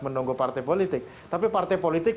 menunggu partai politik tapi partai politik